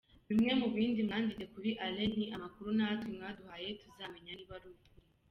-Bimwe mu bindi mwanditse kuri Alain, ni amakuru natwe mwaduhaye, tuzamenya niba ari ukuri.